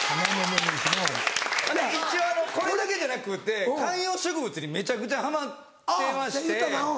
一応これだけじゃなくて観葉植物にめちゃくちゃハマってまして。